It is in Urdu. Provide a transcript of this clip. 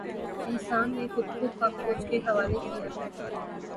احسان نے خود کو پاک فوج کے حوالے کیا ہے